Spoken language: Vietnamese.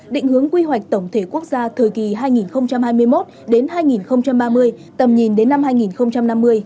định hướng quy hoạch tổng thể quốc gia thời kỳ hai nghìn hai mươi một đến hai nghìn ba mươi tầm nhìn đến năm hai nghìn năm mươi